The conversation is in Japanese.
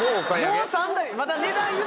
もう３台。